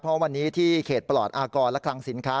เพราะวันนี้ที่เขตปลอดอากรและคลังสินค้า